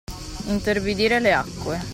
Intorbidire le acque.